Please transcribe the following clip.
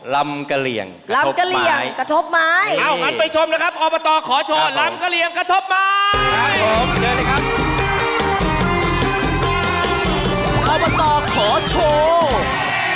รำเกรียงกระทบมาให้